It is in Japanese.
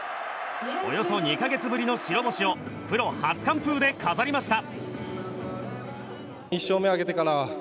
およそ２か月ぶりの白星をプロ初完封で飾りました。